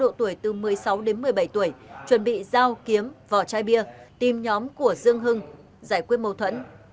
và một số đối tượng khác có độ tuổi từ một mươi sáu đến một mươi bảy tuổi chuẩn bị giao kiếm vỏ chai bia tìm nhóm của dương hưng giải quyết mâu thuẫn